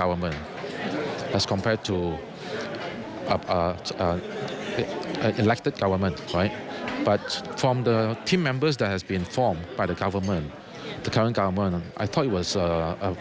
หรือตลทองการคิดว่ามันได้ไหมครับ